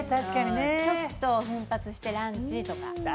ちょっと奮発してランチとか。